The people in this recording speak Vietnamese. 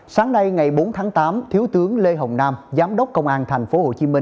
sáng nay ngày bốn tháng tám thiếu tướng lê hồng nam giám đốc công an tp hcm